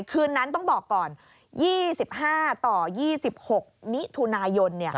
คืนนั้นต้องบอกก่อน๒๕ต่อ๒๖มิถุนายน